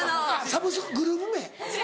サブスクグループ名？